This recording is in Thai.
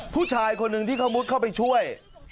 ผู้ชายคนหนึ่งที่เขามุดเข้าไปช่วย